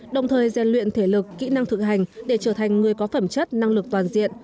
đồng thời gian luyện thể lực kỹ năng thực hành để trở thành người có phẩm chất năng lực toàn diện